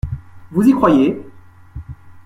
Vous y croyez.